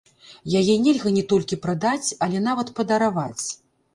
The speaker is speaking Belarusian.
Яе нельга не толькі прадаць, але нават падараваць.